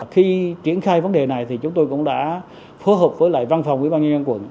khi triển khai vấn đề này thì chúng tôi cũng đã phối hợp với lại văn phòng quỹ ban nhân dân quận